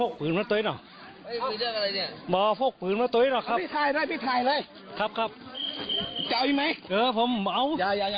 คุณผู้ชมไปดูคลิปต้นเรื่องกันก่อนนะคะ